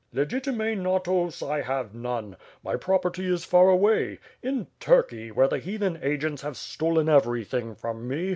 Legitime natos, I have none. My property is far away; in Turkey, where the heathen agents have stolen everything from me.